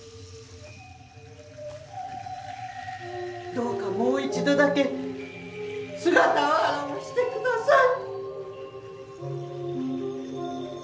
どうかもう一度だけ姿を現してください。